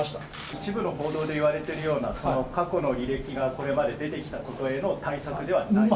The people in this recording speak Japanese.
一部の報道でいわれてるような、過去の履歴がこれまで出てきたことへの対策ではないと？